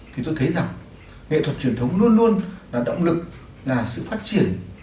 thì tôi thấy rằng nghệ thuật truyền thống luôn luôn là động lực là sự phát triển